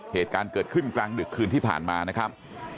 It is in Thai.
เหตุการณ์เกิดขึ้นกลางดึกคืนที่ผ่านมานะครับ